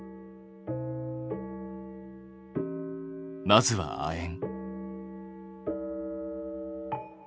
まずは亜鉛。